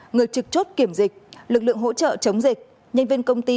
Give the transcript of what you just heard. người trực chốt kiểm dịch lực lượng hỗ trợ chống dịch nhân viên công ty